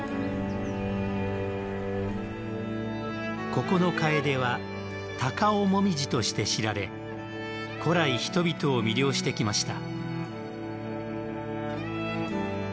ここのカエデは「高雄もみじ」として知られ古来、人々を魅了してきました。